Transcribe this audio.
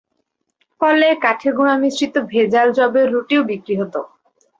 ফলে কাঠের গুঁড়ি মিশ্রিত ভেজাল যবের রুটিও বিক্রি হতো।